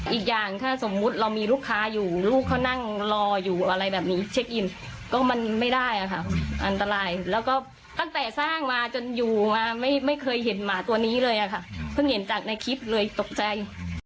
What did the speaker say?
อีกอย่างถ้าสมมุติเรามีลูกค้าอยู่ลูกเขานั่งรออยู่อะไรแบบนี้เช็คอินก็มันไม่ได้อะค่ะอันตรายแล้วก็ตั้งแต่สร้างมาจนอยู่มาไม่เคยเห็นหมาตัวนี้เลยค่ะเพิ่งเห็นจากในคลิปเลยตกใจ